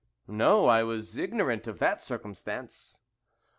"No; I was ignorant of that circumstance."